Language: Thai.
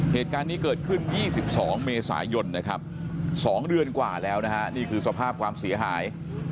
เหตุการณ์นี้เกิดขึ้น๒๒เมษายนนะครับ๒เดือนกว่าแล้วนะฮะนี่คือสภาพความเสียหาย